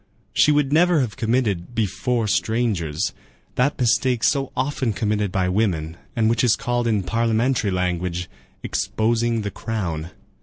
She would never have committed "before strangers" that mistake so often committed by women, and which is called in parliamentary language, "exposing the crown."